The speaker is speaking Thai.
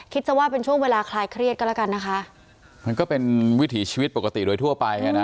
จะว่าเป็นช่วงเวลาคลายเครียดก็แล้วกันนะคะมันก็เป็นวิถีชีวิตปกติโดยทั่วไปอ่ะนะ